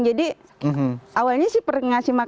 jadi awalnya sih pernah ngasih makan